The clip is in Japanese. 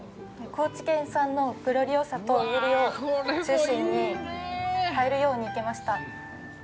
高知県産のグロリオサとユリを中心に映えるように生けました。